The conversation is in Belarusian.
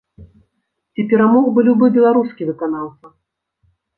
Ці перамог бы любы беларускі выканаўца.